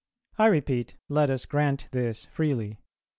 I repeat, let us grant this freely.